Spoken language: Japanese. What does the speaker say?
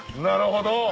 なるほど。